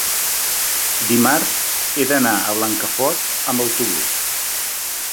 dimarts he d'anar a Blancafort amb autobús.